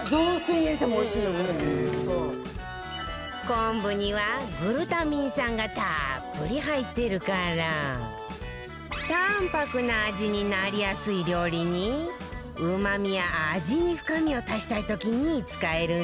昆布にはグルタミン酸がたっぷり入ってるから淡泊な味になりやすい料理にうまみや味に深みを足したい時に使えるんだって